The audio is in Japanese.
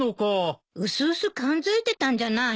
うすうす感づいてたんじゃないの？